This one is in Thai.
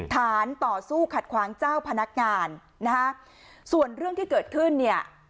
ฐานต่อสู้ขัดขวางเจ้าพนักงานนะฮะส่วนเรื่องที่เกิดขึ้นเนี่ย